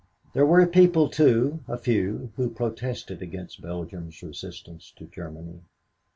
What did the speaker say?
There were people, too, a few, who protested against Belgium's resistance to Germany.